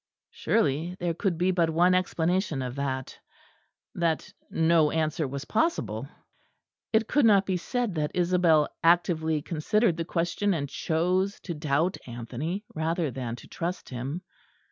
Surely there could be but one explanation of that that no answer was possible. It could not be said that Isabel actively considered the question and chose to doubt Anthony rather than to trust him.